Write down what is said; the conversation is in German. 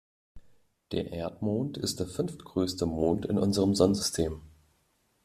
Der Erdmond ist der fünftgrößte Mond in unserem Sonnensystem.